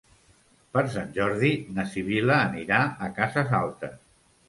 Per Sant Jordi na Sibil·la anirà a Cases Altes.